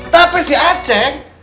tapi si aceh